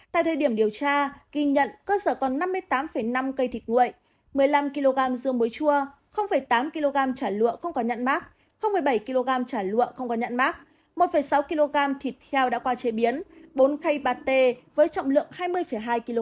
tại thời điểm điều tra ghi nhận cơ sở còn năm mươi tám năm cây thịt nguội một mươi năm kg dưa muối chua tám kg chả lụa không có nhạn mát bảy kg chả lụa không có nhạn mát một sáu kg thịt heo đã qua chế biến bốn cây pate với trọng lượng hai mươi hai kg